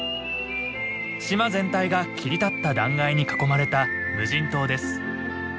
島全体が切り立った断崖に囲まれた無人島です。